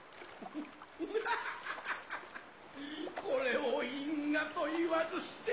これを因果と言わずして。